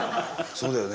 そうだよね。